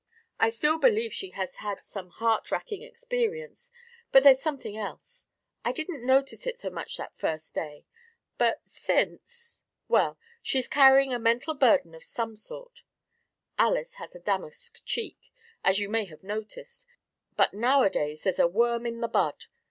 I still believe she has had some heart racking experience, but there's something else I didn't notice it so much that first day but since well, she's carrying a mental burden of some sort. Alys has a damask cheek, as you may have noticed, but nowadays there's a worm in the bud.